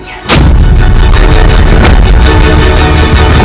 apa yang dia damitikan